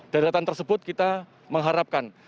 dari data tersebut kita mengharapkan